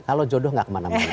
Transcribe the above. kalau jodoh nggak kemana mana